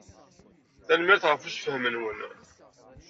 Tanemmirt ɣef ussefhem-nwen.